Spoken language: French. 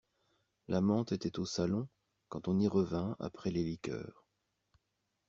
L'amante était au salon quand on y revint, après les liqueurs.